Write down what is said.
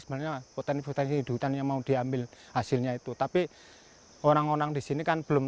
sebenarnya tepi tepi hidupannya mau diambil hasilnya itu tapi orang orang di sini kan belum